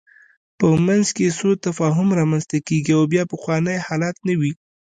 په منځ کې یې سوء تفاهم رامنځته کېږي او بیا پخوانی حالت نه وي.